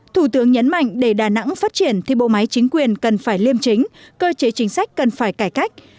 thủ tướng nhấn mạnh để đà nẵng phát triển thì bộ máy chính quyền cần phải liêm chính cơ chế chính sách cần phải cải cách